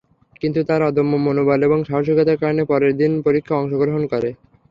কিন্তু তার অদম্য মনোবল এবং সাহসিকতার কারণে পরের দিনই পরীক্ষায় অংশগ্রহণ করে।